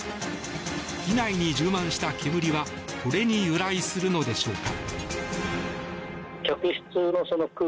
機内に充満した煙はこれに由来するのでしょうか。